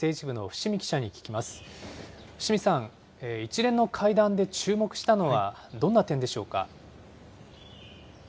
伏見さん、一連の会談で注目したのはどんな点でしょうか。